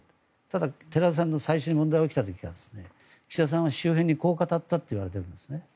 ただ、寺田さんの最初、問題が起きた時は岸田さんは周辺にこう語ったといわれているんですね。